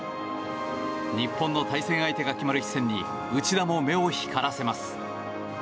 日本の対戦相手が決まる一戦に内田も目を光らせます。